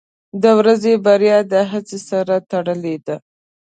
• د ورځې بریا د هڅو سره تړلې ده.